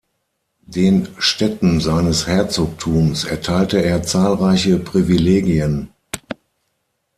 Den Städten seines Herzogtums erteilte er zahlreiche Privilegien.